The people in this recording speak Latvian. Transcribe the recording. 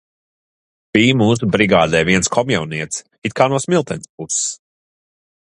Bij mūsu brigādē viens komjaunietis, it kā no Smiltenes puses.